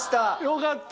よかった。